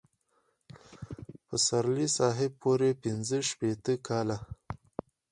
پسرلي صاحب پوره پنځه شپېته کاله.